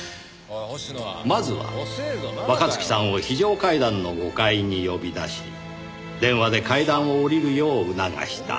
まずは若月さんを非常階段の５階に呼び出し電話で階段を下りるよう促した。